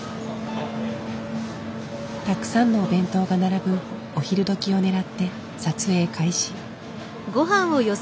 たくさんのお弁当が並ぶお昼どきをねらって撮影開始。